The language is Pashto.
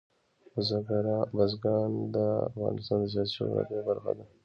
بزګان د افغانستان د سیاسي جغرافیه برخه ده.